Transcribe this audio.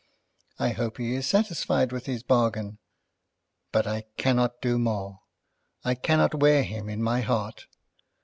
I hope he is satisfied with his bargain; but I cannot do more. I cannot wear him in my heart.